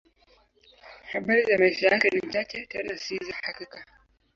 Habari za maisha yake ni chache, tena si za hakika.